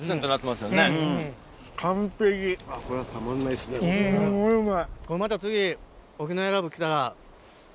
すんごいうまい。